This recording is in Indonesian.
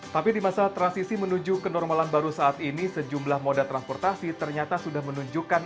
tapi di masa transisi menuju kenormalan baru saat ini sejumlah moda transportasi ternyata sudah menunjukkan